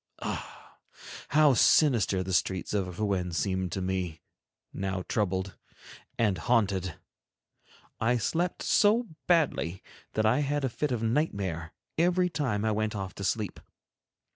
Ah! how sinister the streets of Rouen seemed to me, now troubled and haunted! I slept so badly that I had a fit of nightmare every time I went off to sleep.